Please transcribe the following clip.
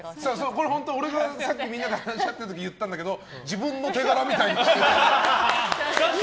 これ、本当はさっきみんなで話し合ってる時俺が言ったんだけど自分の手柄みたいに。